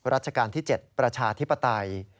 ราชการที่๗ประชาธิปไตย